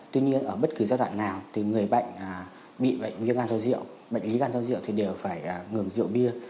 tuy nhiên ở bất cứ giai đoạn nào thì người bệnh bị bệnh viêm gan do rượu bệnh lý gan do rượu thì đều phải ngừng rượu bia